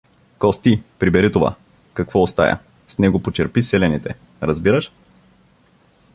— Кости, прибери това… каквото остая — с него почерпи селяните… разбираш?